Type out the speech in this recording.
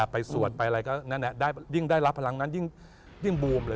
แม่ไปสวดไปอะไรก็ได้รับพลังนั้นยิ่งบูมเลย